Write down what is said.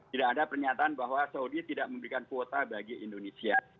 tidak ada pernyataan bahwa saudi tidak memberikan kuota bagi indonesia